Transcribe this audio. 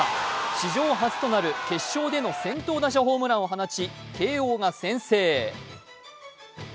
史上初となる決勝での先頭打者ホームランを放ち慶応が先制。